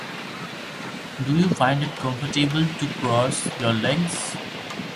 Do you find it comfortable to cross your legs?